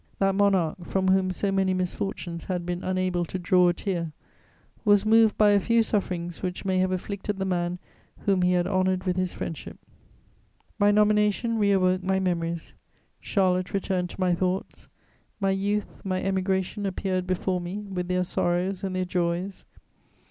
That monarch, from whom so many misfortunes had been unable to draw a tear, was moved by a few sufferings which may have afflicted the man whom he had honoured with his friendship. [Sidenote: And am sent to London.] My nomination reawoke my memories: Charlotte returned to my thoughts; my youth, my emigration appeared before me, with their sorrows and their joys.